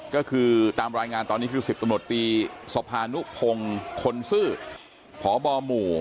ก็คือตามรายงานตอนนี้คือ๑๐ตำรวจตีสภานุพงศ์คนซื่อพบหมู่